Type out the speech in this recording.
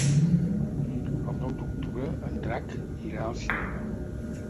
El nou d'octubre en Drac irà al cinema.